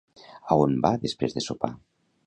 A on va després de sopar?